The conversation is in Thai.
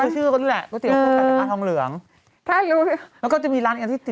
ใช่แล้วก็จะมีร้านอีกอันที่ติด